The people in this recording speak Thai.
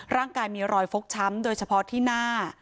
ร่างกายมีรอยฟกช้ำโดยเฉพาะที่หน้า